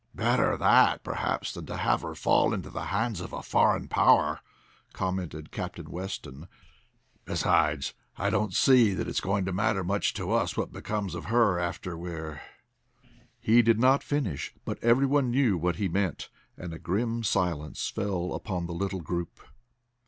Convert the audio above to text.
"Better that, perhaps, than to have her fall into the hands of a foreign power," commented Captain Weston. "Besides, I don't see that it's going to matter much to us what becomes of her after we're " He did not finish, but every one knew what he meant, and a grim silence fell upon the little group.